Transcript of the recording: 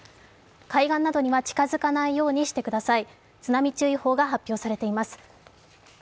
海岸などには近づかないようにしてください。